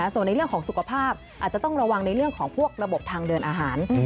ส่วนในเรื่องของสุขภาพอาจจะต้องระวังในเรื่องของพวกระบบทางเดินอาหาร